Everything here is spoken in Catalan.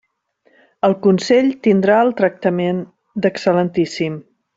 El Consell tindrà el tractament d'excel·lentíssim.